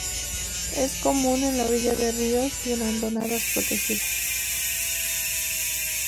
Es común en la orilla de ríos y en hondonadas protegidas.